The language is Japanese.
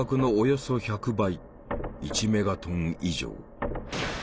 １メガトン以上。